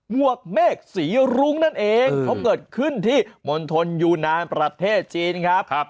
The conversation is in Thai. วกเมฆสีรุ้งนั่นเองเขาเกิดขึ้นที่มณฑลยูนานประเทศจีนครับ